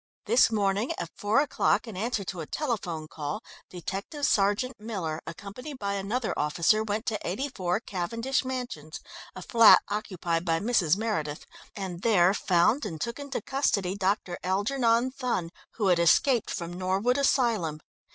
This morning at four o'clock, in answer to a telephone call, Detective Sergeant Miller, accompanied by another officer, went to 84, Cavendish Mansions, a flat occupied by Mrs. Meredith, and there found and took into custody Dr. Algernon Thun, who had escaped from Norwood Asylum.